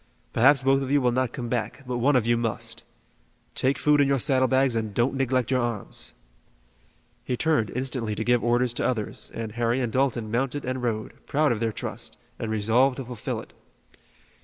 Perhaps both of you will not come back, but one of you must. Take food in your saddle bags and don't neglect your arms." He turned instantly to give orders to others and Harry and Dalton mounted and rode, proud of their trust, and resolved to fulfill it.